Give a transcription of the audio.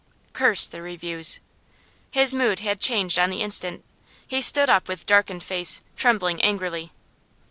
'Curse the reviews!' His mood had changed on the instant. He stood up with darkened face, trembling angrily.